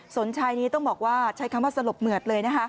นชายนี้ต้องบอกว่าใช้คำว่าสลบเหมือดเลยนะคะ